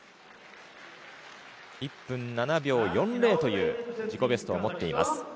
１分７秒４０という自己ベストを持っています。